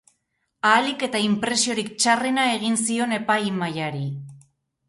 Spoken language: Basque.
Ahalik eta inpresiorik txarrena egin zion epaimahaiari.